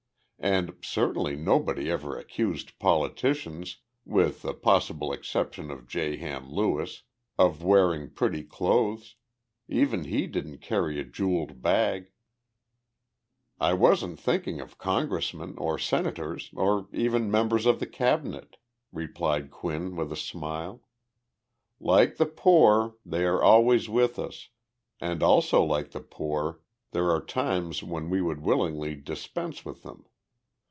And certainly nobody ever accused politicians, with the possible exception of J. Ham Lewis, of wearing pretty clothes. Even he didn't carry a jeweled bag." "I wasn't thinking of Congressmen or Senators or even members of the Cabinet," replied Quinn with a smile. "Like the poor, they are always with us, and also like the poor, there are times when we would willingly dispense with them.